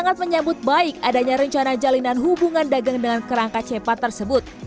sangat menyambut baik adanya rencana jalinan hubungan dagang dengan kerangka cepat tersebut